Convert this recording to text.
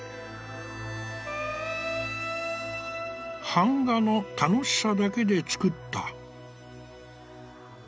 「板画の楽しさだけでつくった」。